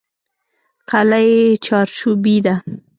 قلعه یې چارچوبي ده.